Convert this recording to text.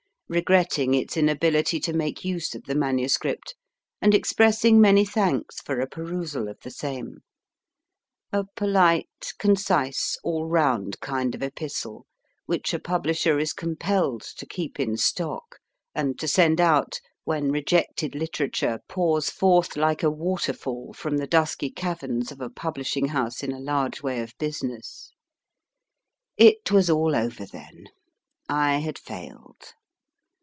regretting its inability to make use of the MS., and ex pressing many thanks for a perusal of the same a polite, concise, all round kind of epistle, which a publisher is compelled to keep in stock, and to send out when rejected literature pours forth like a waterfall from the dusky caverns of a publishing house in a large way of business. It was all over, then I had failed